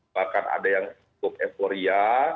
bahkan ada yang cukup euforia